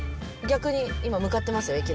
逆に今向かってますよ